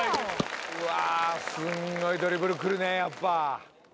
うわすごいドリブルくるねやっぱ。